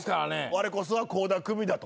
われこそは倖田來未だと。